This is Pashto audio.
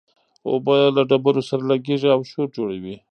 اوبه له ډبرو سره لګېږي او شور جوړوي.